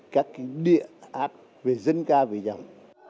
các địa hạt về dân ca với nhau